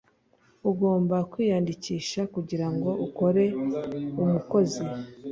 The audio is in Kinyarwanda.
ugomba kwiyandikisha kugirango ukore umukozi